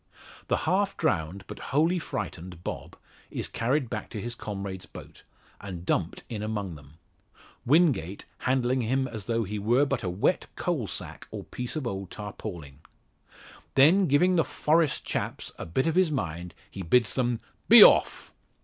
The half drowned, but wholly frightened, Bob is carried back to his comrades' boat, and dumped in among them; Wingate handling him as though he were but a wet coal sack or piece of old tarpaulin. Then giving the "Forest chaps" a bit of his mind he bids them "be off!"